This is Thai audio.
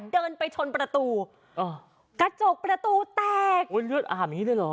เดินไปชนประตูอ่ากระจกประตูแตกโอ้ยเลือดอาบอย่างงี้เลยเหรอ